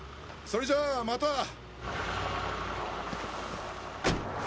それじゃあまた。